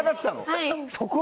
はい。